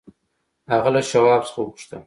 هغه له شواب څخه وپوښتل.